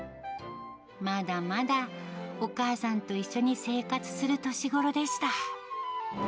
まだまだお母さんと一緒に生活する年頃でした。